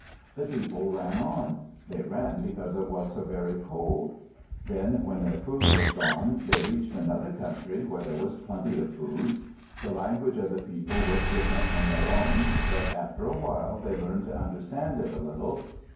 The people ran on. They ran because it was so very cold. Then when their food was gone, they reached another country where there was plenty of food. The language of the people was different from their own. But after a while they learned to understand it a little.